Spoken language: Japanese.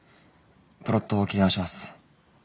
プロット切り直します。